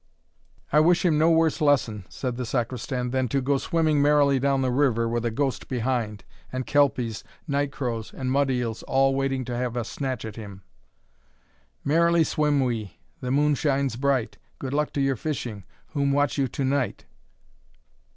"I wish him no worse lesson," said the Sacristan, "than to go swimming merrily down the river with a ghost behind, and Kelpies, night crows, and mud eels, all waiting to have a snatch at him. Merrily swim we, the moon shines bright! Good luck to your fishing, whom watch you to night?"